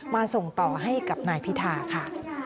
ส่งต่อให้กับนายพิธาค่ะ